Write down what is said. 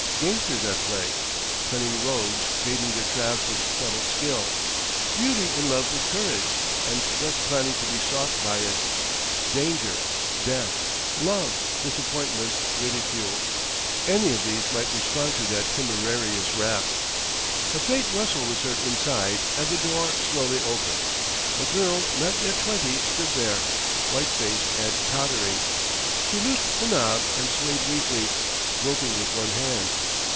Gamesters at play; cunning rogues baiting their traps with subtle skill; beauty in love with courage, and thus planning to be sought by it; danger, death, love, disappointment, ridicule—any of these might respond to that temerarious rap. A faint rustle was heard inside, and the door slowly opened. A girl not yet twenty stood there, white faced and tottering. She loosed the knob and swayed weakly, groping with one hand.